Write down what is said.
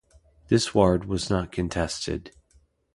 This ward was not contested.